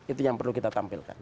itu yang perlu kita tampilkan